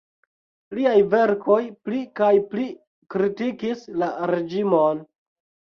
Liaj verkoj pli kaj pli kritikis la reĝimon.